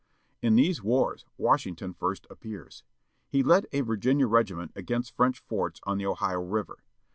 In these wars Washington first appears. He led a Virginia regiment against French forts on the Ohio River.